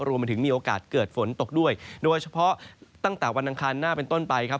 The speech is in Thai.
รวมไปถึงมีโอกาสเกิดฝนตกด้วยโดยเฉพาะตั้งแต่วันอังคารหน้าเป็นต้นไปครับ